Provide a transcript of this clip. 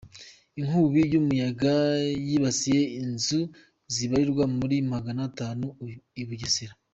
Inkubi y’umuyaga yibasiye inzu zibarirwa muri Magana atatu ibugesera